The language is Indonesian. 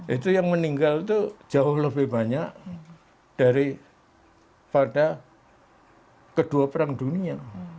itu yang meninggal itu jauh lebih banyak daripada kedua perang dunia